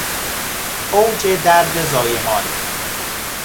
اوج درد زایمان